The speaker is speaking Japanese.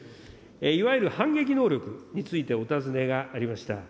いわゆる反撃能力についてお尋ねがありました。